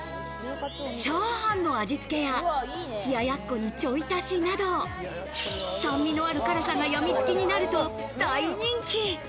チャーハンの味つけや冷やっこにちょい足しなど、酸味のある辛さが病みつきになると大人気。